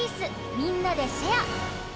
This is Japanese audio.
みんなでシェア！」。